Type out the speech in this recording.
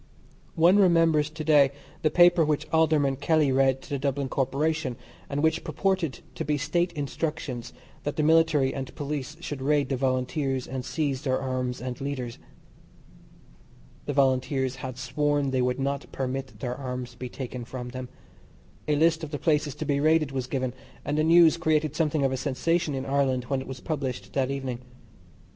One remembers to day the paper which Alderman Kelly read to the Dublin Corporation, and which purported to be State Instructions that the Military and Police should raid the Volunteers, and seize their arms and leaders. The Volunteers had sworn they would not permit their arms to be taken from them. A list of the places to be raided was given, and the news created something of a sensation in Ireland when it was published that evening.